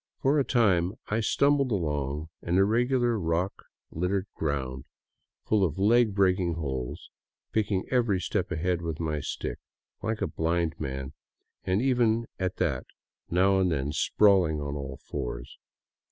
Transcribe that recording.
For a time I stumbled along an irregular, rock littered ground, full of leg breaking holes, picking every step ahead with my stick, Hke a blind man, and even at that now and then sprawling on all fours.